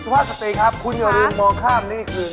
ภาษาสตรีครับคุณโยรียมโบ้งข้ามนี่คือ